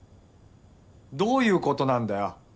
どういう事なんだよ。